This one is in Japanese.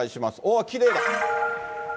わー、きれいだ。